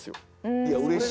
いやうれしい。